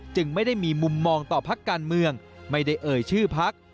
จึงไม่ได้มีมุมมองต่อพักการเมืองไม่ได้เอ่ยชื่อพัก